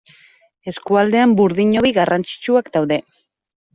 Eskualdean burdin hobi garrantzitsuak daude.